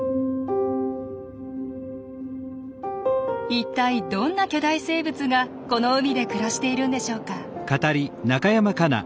いったいどんな巨大生物がこの海で暮らしているんでしょうか？